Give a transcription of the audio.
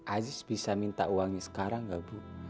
aziz bisa minta uangnya sekarang gak bu